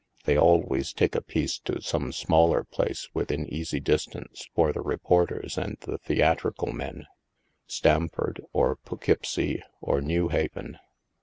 They always take a piece to some smaller place within easy distance for the reporters and the theatrical men — Stamford, or Poughkeepsie, or New Haven.